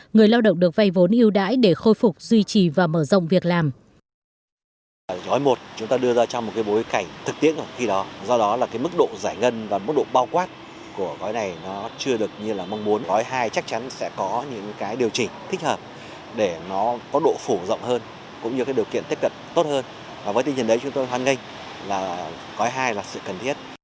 người lao động được vây vốn yêu đãi để khôi phục duy trì và mở rộng việc làm